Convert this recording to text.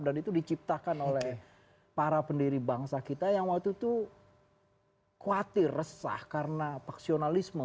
dan itu diciptakan oleh para pendiri bangsa kita yang waktu itu kuatir resah karena paksionalisme